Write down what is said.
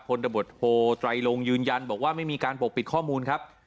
ตบทโทไตรลงยืนยันบอกว่าไม่มีการปกปิดข้อมูลครับ